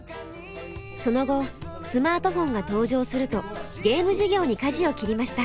その後スマートフォンが登場するとゲーム事業にかじを切りました。